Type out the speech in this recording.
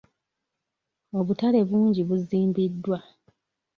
Obutale bungi buzimbiddwa.